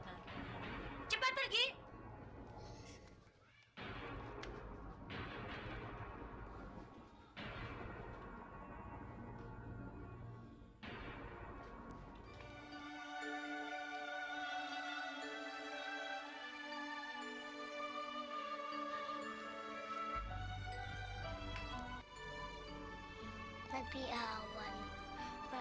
tidak tidak apa apa